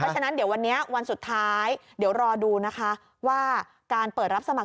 ฉะนั้นเดี๋ยววันนี้วันสุดท้ายเดี๋ยวรอดูนะคะว่าการเปิดรับสมัคร